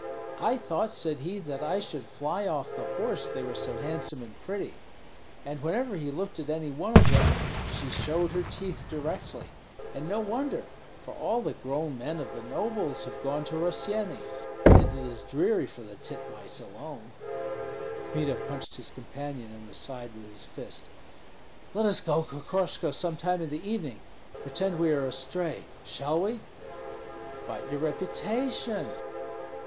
'I thought,' said he, 'that I should fly off the horse, they were so handsome and pretty.' And whenever he looked at any one of them she showed her teeth directly. And no wonder! for all the grown men of the nobles have gone to Rossyeni, and it is dreary for the titmice alone." Kmita punched his companion in the side with his fist. "Let us go, Kokoshko, some time in the evening, pretend we are astray, shall we?" "But your reputation?"